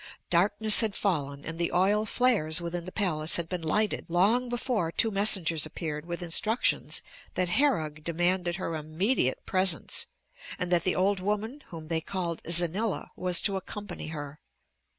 Darkness had fallen and the oil flares within the palace had been lighted long before two messengers appeared with instructions that Herog demanded her immediate presence and that the old woman, whom they called Xanila, was to accompany her.